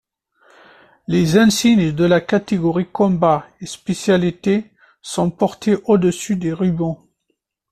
Les insignes de la catégorie combat et spécialités sont portés au-dessus des rubans.